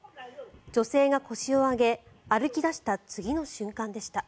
女性が腰を上げ、歩き出した次の瞬間でした。